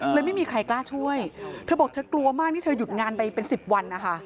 ไม่มีใครกล้าช่วยเธอบอกเธอกลัวมากที่เธอหยุดงานไปเป็นสิบวันนะคะ